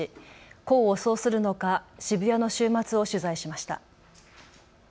功を奏するのか渋谷の週末を取材しました。